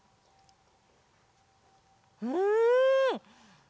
うん！